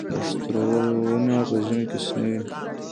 نښتر ونه په ژمي کې شنه وي؟